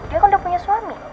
dia kan udah punya suami